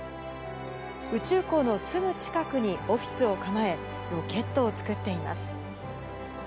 宇宙港のすぐ近くにオフィスを構え、ロケットを作っています。